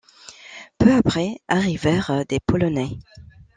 Peu après arrivèrent des polonais.